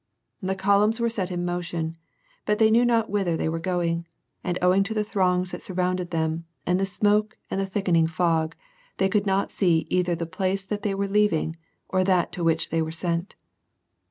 The columns were set in motion, but they knew not whither they were going, and owing to the throngs that surrounded them, and the smoke, and the thickening fog, they could not see either the place that they were leaving, or that to which they were sent.